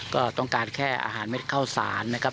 ก็ต้องการแค่อาหารเม็ดข้าวสารนะครับ